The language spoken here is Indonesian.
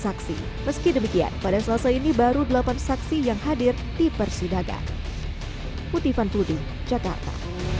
tiga belas saksi meski demikian pada selasa ini baru delapan saksi yang hadir di persidangan putih van tuding jakarta